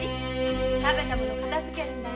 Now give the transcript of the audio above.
食べたもの片づけるんだよ。